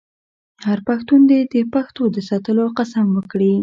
هر پښتون دې د پښتو د ساتلو قسم وکړي.